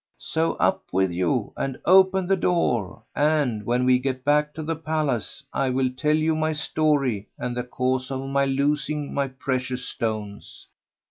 So up with you and open the door and, when we get back to the palace, I will tell you my story and the cause of my losing my precious stones."